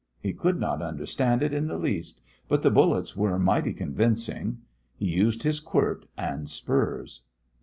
He could not understand it in the least; but the bullets were mighty convincing. He used his quirt and spurs.